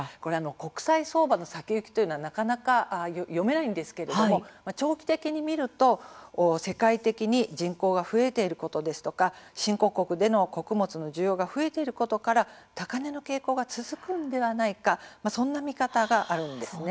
国際価格の先行きはなかなか読めないんですが長期的に見ると世界的に人口が増えていることや新興国での穀物の需要が増えていることから高値の傾向が続くのではないかそんな見方があるんです。